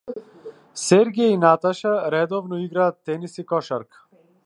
Сергеј и Наташа редовно играат тенис и кошарка.